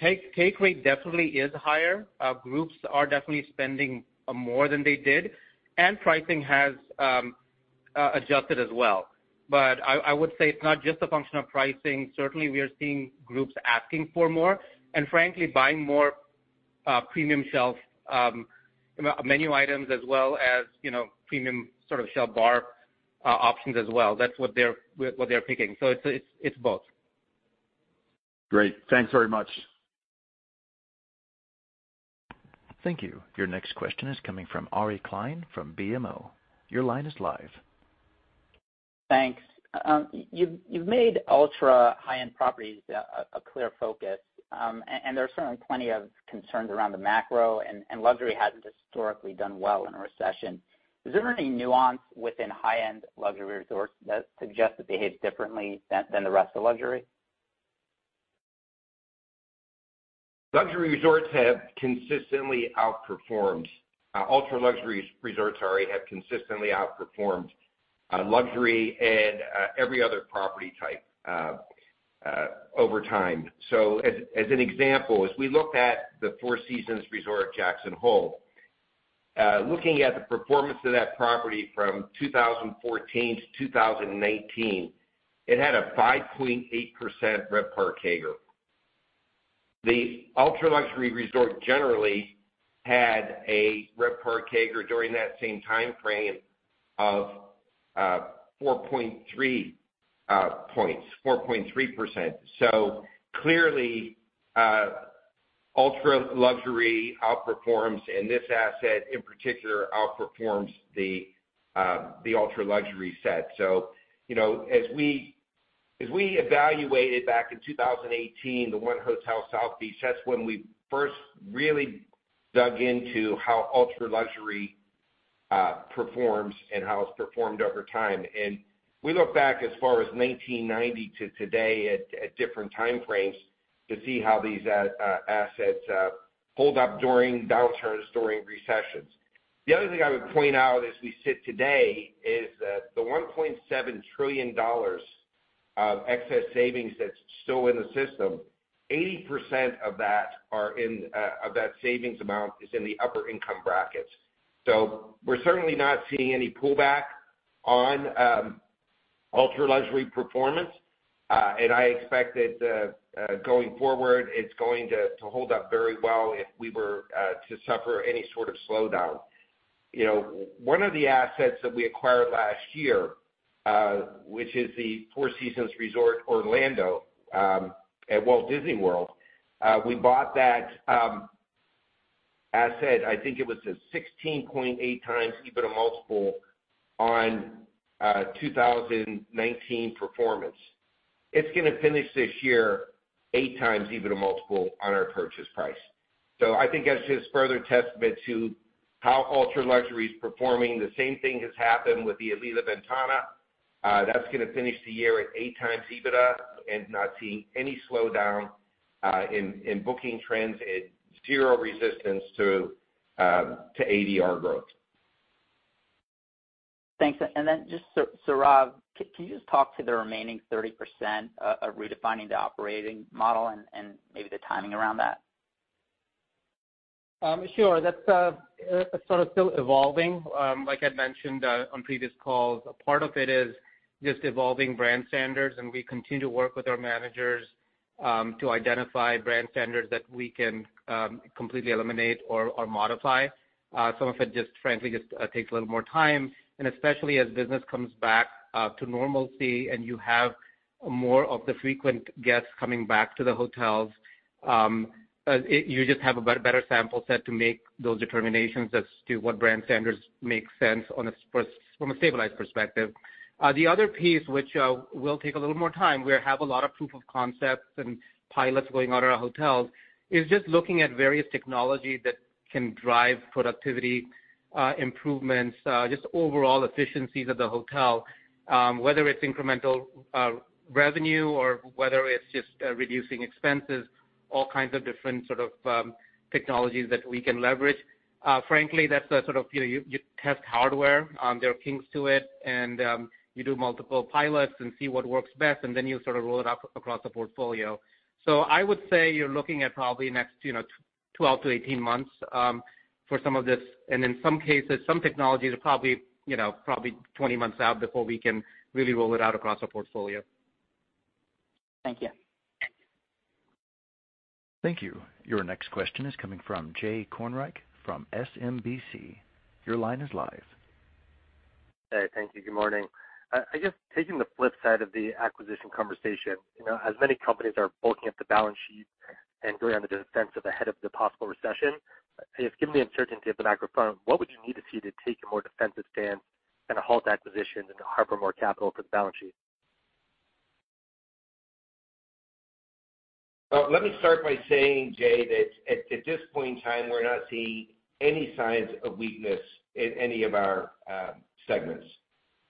D: Take rate definitely is higher. Groups are definitely spending more than they did, and pricing has adjusted as well. I would say it's not just a function of pricing. Certainly, we are seeing groups asking for more, and frankly buying more premium shelf menu items as well as, you know, premium sort of shelf bar options as well. That's what they're picking. It's both.
I: Great. Thanks very much.
A: Thank you. Your next question is coming from Ari Klein from BMO. Your line is live.
J: Thanks. You've made ultra high-end properties a clear focus, and there are certainly plenty of concerns around the macro and luxury hasn't historically done well in a recession. Is there any nuance within high-end luxury resorts that suggests that they hit differently than the rest of luxury?
C: Luxury resorts have consistently outperformed. Ultra-luxury resorts have consistently outperformed luxury and every other property type over time. As an example, as we look at the Four Seasons Resort Jackson Hole, looking at the performance of that property from 2014 to 2019, it had a 5.8% RevPAR CAGR. The ultra-luxury resort generally had a RevPAR CAGR during that same timeframe of 4.3%. Clearly, ultra-luxury outperforms, and this asset in particular outperforms the ultra-luxury set. You know, as we evaluated back in 2018, the 1 Hotel South Beach, that's when we first really dug into how ultra-luxury performs and how it's performed over time. We look back as far as 1990 to today at different time frames to see how these assets hold up during downturns, during recessions. The other thing I would point out as we sit today is that the $1.7 trillion of excess savings that's still in the system, 80% of that savings amount is in the upper income brackets. We're certainly not seeing any pullback on ultra-luxury performance. I expect that going forward, it's going to hold up very well if we were to suffer any sort of slowdown. You know, one of the assets that we acquired last year, which is the Four Seasons Resort Orlando at Walt Disney World, we bought that asset, I think it was a 16.8x EBITDA multiple on 2019 performance. It's gonna finish this year 8x EBITDA multiple on our purchase price. So I think that's just further testament to how ultra-luxury is performing. The same thing has happened with the Alila Ventana. That's gonna finish the year at 8x EBITDA and not seeing any slowdown in booking trends. It's zero resistance to ADR growth.
J: Thanks. Just, Sourav, can you just talk to the remaining 30% of redefining the operating model and maybe the timing around that?
D: Sure. That's sort of still evolving. Like I mentioned on previous calls, a part of it is just evolving brand standards, and we continue to work with our managers. To identify brand standards that we can completely eliminate or modify. Some of it just frankly takes a little more time, and especially as business comes back to normalcy and you have more of the frequent guests coming back to the hotels, you just have a better sample set to make those determinations as to what brand standards make sense from a stabilized perspective. The other piece, which will take a little more time, we have a lot of proof of concepts and pilots going on at our hotels, is just looking at various technology that can drive productivity improvements, just overall efficiencies of the hotel, whether it's incremental revenue or whether it's just reducing expenses, all kinds of different sort of technologies that we can leverage. Frankly, that's the sort of, you know, you test hardware, there are kinks to it and, you do multiple pilots and see what works best and then you sort of roll it up across the portfolio. So I would say you're looking at probably next, you know, 12-18 months, for some of this. In some cases, some technologies are probably, you know, 20 months out before we can really roll it out across our portfolio.
J: Thank you.
A: Thank you. Your next question is coming from Jay Kornreich from SMBC. Your line is live.
K: Hey. Thank you. Good morning. I guess taking the flip side of the acquisition conversation, you know, as many companies are bulking up the balance sheet and going on the defensive ahead of the possible recession, if given the uncertainty of the macro front, what would you need to see to take a more defensive stance and halt acquisitions and hoard more capital to the balance sheet?
C: Well, let me start by saying, Jay, that at this point in time, we're not seeing any signs of weakness in any of our segments.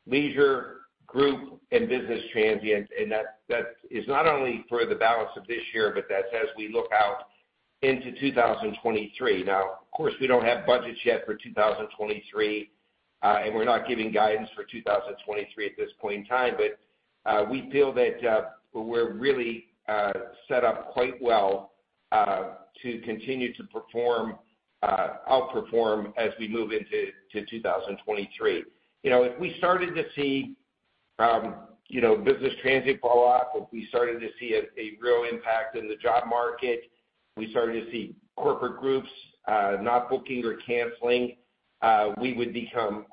C: Leisure, group, and business transient, and that is not only for the balance of this year, but that's as we look out into 2023. Now, of course, we don't have budgets yet for 2023, and we're not giving guidance for 2023 at this point in time. We feel that we're really set up quite well to continue to perform, outperform as we move into 2023. You know, if we started to see you know, business transient fall off, if we started to see a real impact in the job market, we started to see corporate groups not booking or canceling, we would become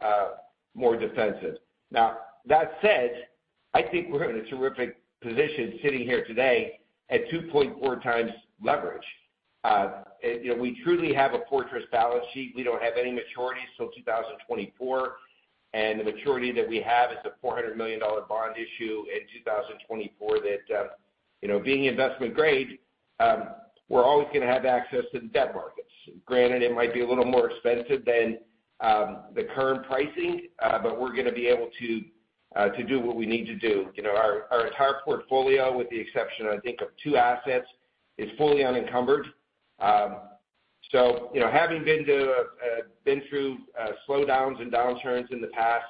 C: more defensive. Now, that said, I think we're in a terrific position sitting here today at 2.4 times leverage. You know, we truly have a fortress balance sheet. We don't have any maturities till 2024, and the maturity that we have is a $400 million bond issue in 2024 that you know, being investment grade, we're always gonna have access to the debt markets. Granted, it might be a little more expensive than the current pricing, but we're gonna be able to do what we need to do. You know, our entire portfolio, with the exception, I think, of two assets, is fully unencumbered. You know, having been through slowdowns and downturns in the past,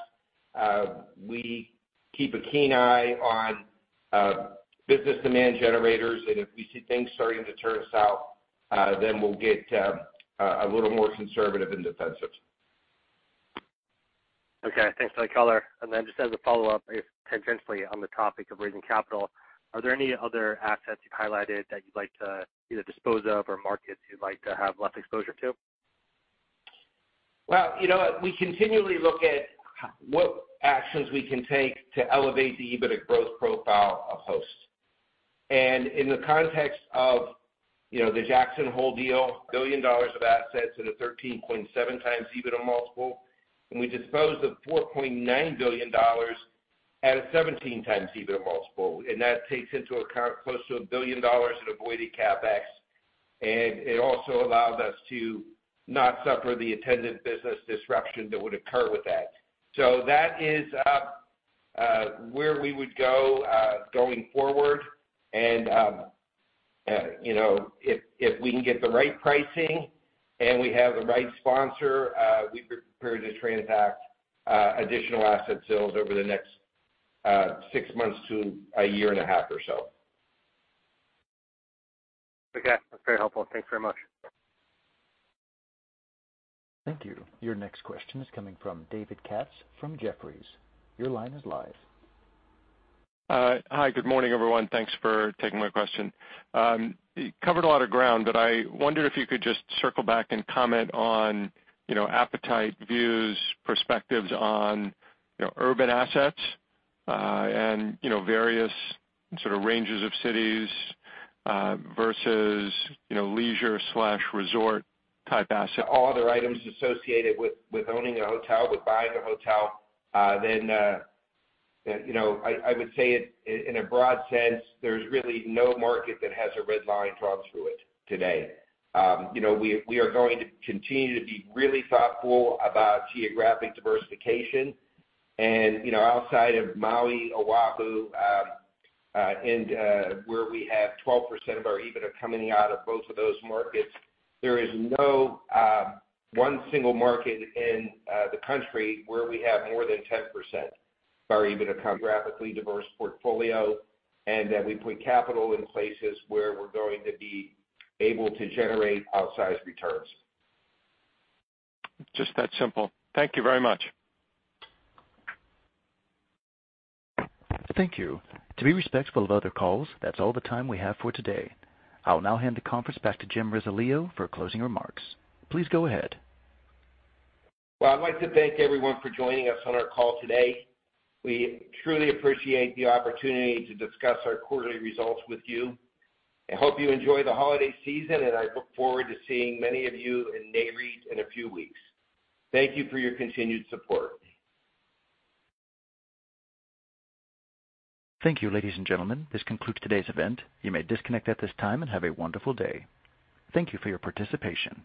C: we keep a keen eye on business demand generators, and if we see things starting to turn south, then we'll get a little more conservative and defensive.
K: Okay. Thanks for the color. Just as a follow-up, a bit tangentially on the topic of raising capital, are there any other assets you've highlighted that you'd like to either dispose of or markets you'd like to have less exposure to?
C: Well, you know what? We continually look at what actions we can take to elevate the EBITDA growth profile of Host. In the context of, you know, the Jackson Hole deal, $1 billion of assets and a 13.7x EBITDA multiple, we disposed of $4.9 billion at a 17x EBITDA multiple. That takes into account close to $1 billion in avoided CapEx, and it also allowed us to not suffer the attendant business disruption that would occur with that. That is where we would go going forward, and, you know, if we can get the right pricing and we have the right sponsor, we'd be prepared to transact additional asset sales over the next six months to a year and a half or so.
K: Okay. That's very helpful. Thank you very much.
A: Thank you. Your next question is coming from David Katz from Jefferies. Your line is live.
L: Hi. Good morning, everyone. Thanks for taking my question. You covered a lot of ground, but I wonder if you could just circle back and comment on, you know, appetite, views, perspectives on, you know, urban assets, and, you know, various sort of ranges of cities, versus, you know, leisure/resort type assets.
C: All other items associated with owning a hotel, with buying a hotel, then, you know, I would say it, in a broad sense, there's really no market that has a red line drawn through it today. You know, we are going to continue to be really thoughtful about geographic diversification and, you know, outside of Maui, Oahu, and where we have 12% of our EBITDA coming out of both of those markets, there is no one single market in the country where we have more than 10% of our EBITDA coming from. Geographically diverse portfolio, and that we put capital in places where we're going to be able to generate outsized returns.
L: Just that simple. Thank you very much.
A: Thank you. To be respectful of other calls, that's all the time we have for today. I'll now hand the conference back to Jim Risoleo for closing remarks. Please go ahead.
C: Well, I'd like to thank everyone for joining us on our call today. We truly appreciate the opportunity to discuss our quarterly results with you. I hope you enjoy the holiday season, and I look forward to seeing many of you in Nareit in a few weeks. Thank you for your continued support.
A: Thank you, ladies and gentlemen. This concludes today's event. You may disconnect at this time and have a wonderful day. Thank you for your participation.